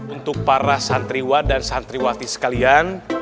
untuk para santriwa dan santriwati sekalian